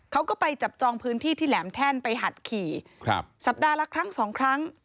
เขาก็ไปจับจองพื้นที่ที่แหลมแท่นไปหัดขี่สัปดาห์ละครั้งสองครั้ง